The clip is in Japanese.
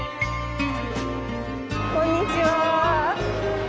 こんにちは。